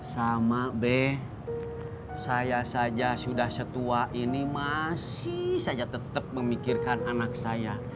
sama b saya saja sudah setua ini masih saja tetap memikirkan anak saya